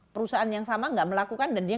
perusahaan yang sama tidak melakukan dan dia